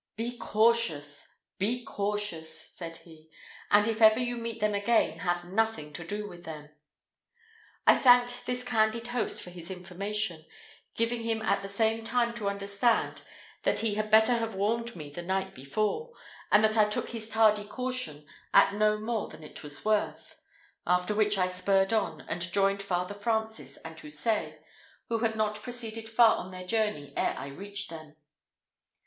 "Be cautious, be cautious," said he, "and if ever you meet them again, have nothing to do with them." I thanked this candid host for his information, giving him at the same time to understand, that he had better have warned me the night before, and that I took his tardy caution at no more than it was worth; after which I spurred on, and joined Father Francis and Houssaye, who had not proceeded far on their journey ere I reached them.